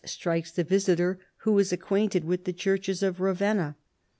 283 strikes the visitor who is acquainted with the churches of Ravenna.